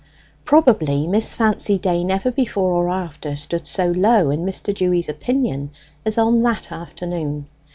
Probably, Miss Fancy Day never before or after stood so low in Mr. Dewy's opinion as on that afternoon.